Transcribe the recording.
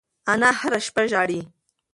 انا هره شپه ژاړي.